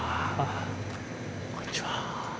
こんにちは。